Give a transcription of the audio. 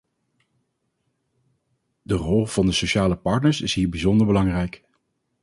De rol van de sociale partners is hier bijzonder belangrijk.